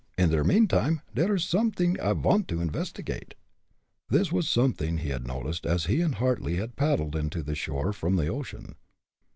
In der meantime, der is somet'ing I vant to investigate." This was something he had noticed as he and Hartly had paddled in to the shore from the ocean.